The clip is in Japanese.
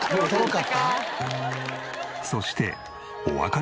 そして。